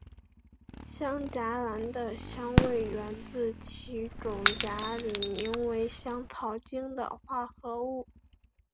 香荚兰的香味源自其种荚里名为香草精的化合物。